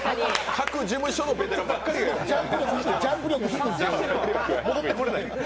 各事務所のベテランばっかりが来てます。